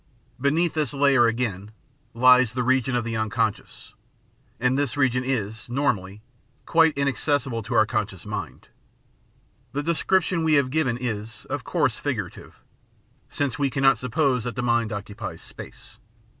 Beneath this layer, again, lies the region of the unconscious, and this region is, normally, quite inaccessible to oiu* conscious mind. The description we have given is, of course, figurative, since we. cannot suppose that the mind occupies space.